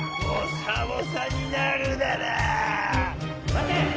まて！